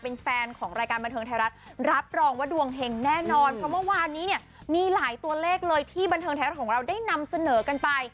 แน่นอนเพราะว่าวันนี้เนี่ยมีหลายตัวเลขเลยที่บันเทิงแท้ของเราได้นำเสนอกันไป